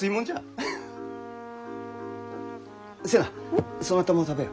瀬名そなたも食べよ。